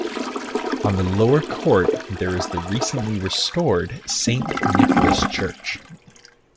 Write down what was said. On the lower court there is the recently restored Saint Nicholas church.